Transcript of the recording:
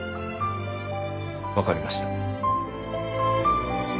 わかりました。